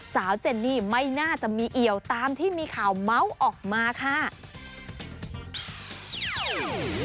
เจนนี่ไม่น่าจะมีเอี่ยวตามที่มีข่าวเมาส์ออกมาค่ะ